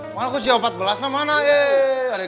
emang aku siapa yang ke empat belas ini